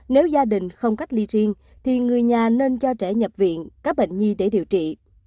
nếu gia đình không cách ly riêng thì người nhà nên cho trẻ nhập viện các bệnh nhi để điều trị